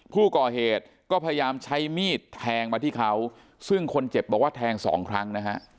ผู้ก่อเหตุก็พยายามใช้มีดแทงมาที่เขาซึ่งคนเจ็บบอกว่าแทงสองครั้งนะฮะ